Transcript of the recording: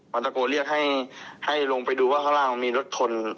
มันตะโกนเรียกให้ลงไปดูว่าข้างล่างมีรถชน